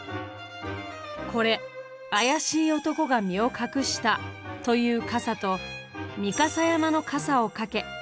これ怪しい男が身を隠したという傘とみかさ山の「かさ」を掛け